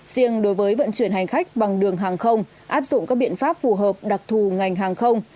riêng đối với vận chuyển hành khách bằng đường hàng không áp dụng các biện pháp phù hợp đặc thù ngành hàng không